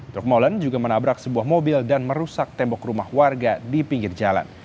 truk molen juga menabrak sebuah mobil dan merusak tembok rumah warga di pinggir jalan